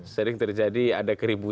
sering terjadi ada keributan